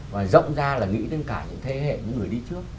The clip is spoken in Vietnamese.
và rộng ra là nghĩ đến cả những thế hệ những người đi trước